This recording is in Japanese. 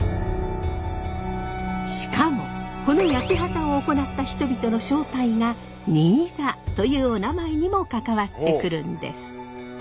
しかもこの焼畑を行った人々の正体が新座というおなまえにも関わってくるんです。